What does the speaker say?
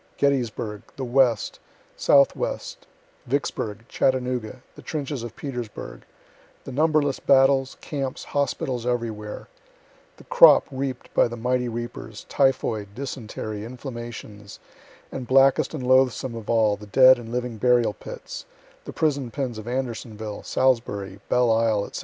Gettysburgh, the West, Southwest Vicksburgh Chattanooga the trenches of Petersburgh the numberless battles, camps, hospitals everywhere the crop reap'd by the mighty reapers, typhoid, dysentery, inflammations and blackest and loathesomest of all, the dead and living burial pits, the prison pens of Andersonville, Salisbury, Belle Isle, &c.